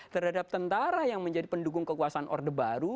terhadap tentara yang menjadi pendukung kekuasaan orde baru